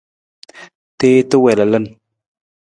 Tuwiita wii lalan.